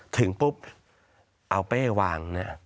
ถึงปุ๊บเอาเป้หวัง